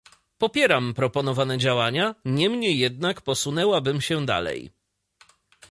Popieram proponowane działania, niemniej jednak posunęłabym się dalej